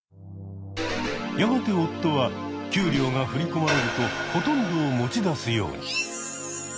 やがて夫は給料が振り込まれるとほとんどを持ち出すように。